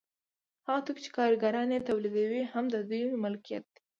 هغه توکي چې کارګران یې تولیدوي هم د دوی ملکیت دی